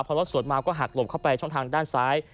พอรถสวนมาก็หักหลบเข้าไปช่องทางด้านซ้าย